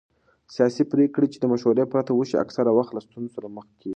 سیاسي پرېکړې چې د مشورې پرته وشي اکثره وخت له ستونزو سره مخ کېږي